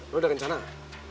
lo udah rencana gak